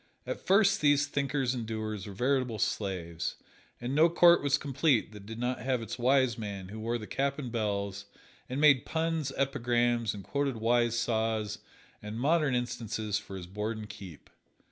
At first these thinkers and doers were veritable slaves, and no court was complete that did not have its wise man who wore the cap and bells, and made puns, epigrams and quoted wise saws and modern instances for his board and keep.